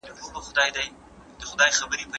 خو دا یو هم زموږ د عمر سرمنزل نه سي ټاکلای